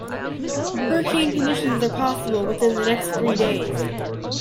Hurricane conditions are possible within the next three days.